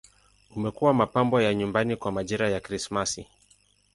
Umekuwa mapambo ya nyumbani kwa majira ya Krismasi.